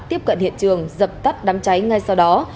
tiếp cận hiện trường dập tắt đám cháy ngay sau đó